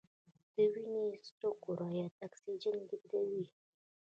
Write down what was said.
د وینې سره کرویات اکسیجن لیږدوي